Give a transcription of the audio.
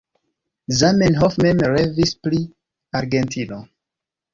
Zamenhof mem revis pri Argentino.